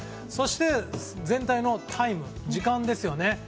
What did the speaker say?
そして、全体のタイム時間ですよね。